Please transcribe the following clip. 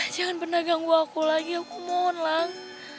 jangan pernah ganggu aku lagi aku mohon lang